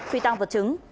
phi tăng vật chứng